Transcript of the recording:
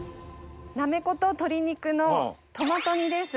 なめこと鶏肉のトマト煮です。